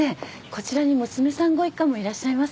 こちらに娘さんご一家もいらっしゃいますか？